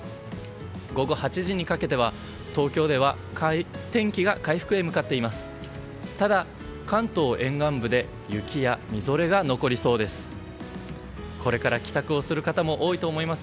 午後８時にかけては、東京では天気が回復へ向かっています。